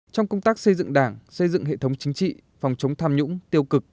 trong công tác xây dựng đảng xây dựng hệ thống chính trị phòng chống tham nhũng tiêu cực